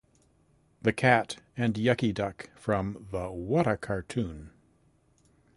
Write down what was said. The Cat and Yuckie Duck from The What-A-Cartoon!